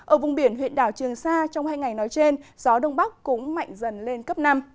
ở vùng biển huyện đảo trường sa trong hai ngày nói trên gió đông bắc cũng mạnh dần lên cấp năm